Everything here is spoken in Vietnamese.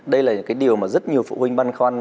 đây là những cái điều mà rất nhiều phụ huynh băn khoăn